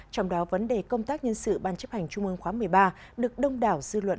trong đó vấn đề công tác nhân sự ban chấp hành trung ương khóa một mươi ba được đông đảo dư luận